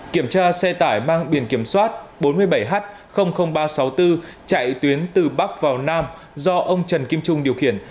kiểm tra xe tải mang biển kiểm soát bốn mươi bảy h ba trăm sáu mươi bốn chạy tuyến từ bắc vào nam do ông trần kim trung điều khiển